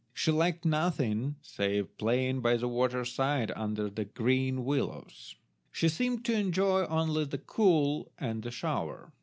She liked nothing save playing by the water side under the green willows. She seemed to enjoy only the cool and the shower.